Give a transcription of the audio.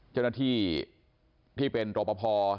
เจ้าหน้าที่ที่เป็นรอปภ